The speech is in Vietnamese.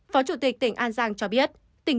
phó chủ tịch tỉnh an giang cho biết